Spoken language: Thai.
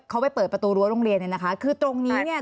เขาไปเปิดประตูรั้วโรงเรียนเนี่ยนะคะคือตรงนี้เนี่ย